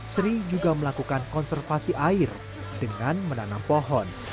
sri juga melakukan konservasi air dengan menanam pohon